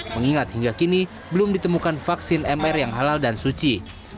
mengingat hingga kini belum ditemukan vaksin mr yang halal dan suci